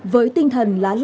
với tinh thần lá lành